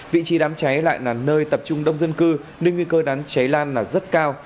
vị trí đám cháy lại là nơi tập trung đông dân cư nên nguy cơ đám cháy lan là rất cao